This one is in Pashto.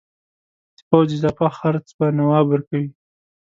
د پوځ اضافه خرڅ به نواب ورکوي.